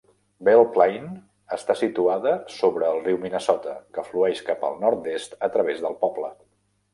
Belle Plaine està situada sobre el riu Minnesota, que flueix cap el nord-est a través del poble.